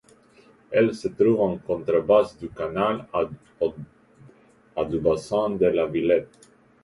Elle se trouve en contrebas du canal, à du bassin de la Villette.